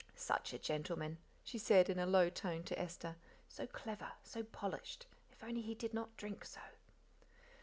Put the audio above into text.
"Such a gentleman," she said in a low tone to Esther, "so clever, so polished, if only he did not drink so."